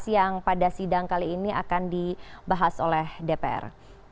yang pada sidang kali ini akan dibahas oleh dpr